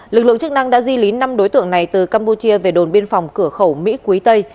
lực lượng chức năng đã di lý năm đối tượng này từ campuchia về đồn biên phòng cửa khẩu mỹ quý tây